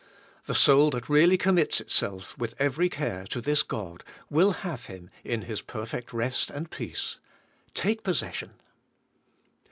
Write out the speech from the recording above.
The soul that really commits itself, with every care, to this God, will have Him, in His perfect rest and peace, take possession.